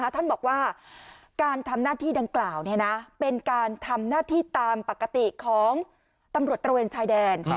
ท่านบอกว่าการทำหน้าที่ดังกล่าวเป็นการทำหน้าที่ตามปกติของตำรวจตระเวนชายแดน